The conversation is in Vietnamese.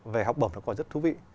về học bổng nó còn rất thú vị